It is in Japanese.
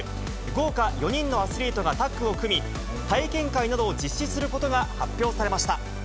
豪華４人のアスリートがタッグを組み、体験会などを実施することが発表されました。